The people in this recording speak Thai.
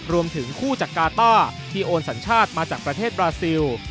รวมถึงคู่จากกาต้าที่โอนสัญชาติมาจากประเทศบราซิล